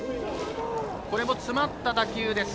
これも詰まった打球です。